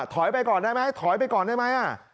ถอยไปก่อนใส่ไหมถอยไปก่อนนั้นไหมฮะ